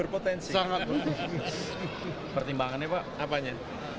pertimbangannya pak apanya